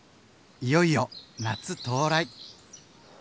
いよいよ夏到来。